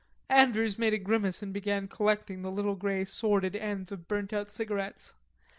Andrews made a grimace and began collecting the little grey sordid ends of burnt out cigarettes.